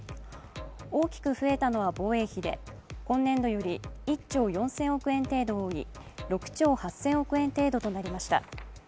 大きく増えたのは防衛費で今年度より１兆４０００億円程度多い６兆８０００億円程度となりました。